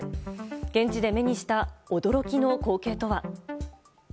現地で目にした驚きの光景とは。